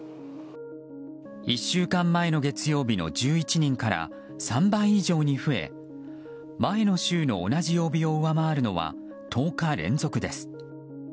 １週間前の月曜日の１１人から３倍以上に増え前の週の同じ曜日を上回るのは１０日連続です。